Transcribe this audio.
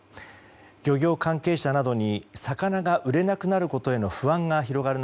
漁業関係者などに魚が売れなくなることへの不安が広がる